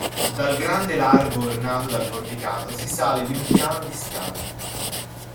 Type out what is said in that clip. Dal grande largo ornato dal porticato si sale di un piano di scale.